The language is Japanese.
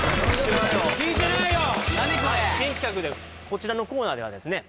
こちらのコーナーではですね